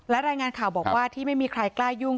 และรายงานข่าวบอกว่าที่ไม่มีใครกล้ายุ่ง